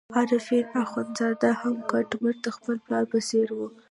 عارفین اخندزاده هم کټ مټ د خپل پلار په څېر وو.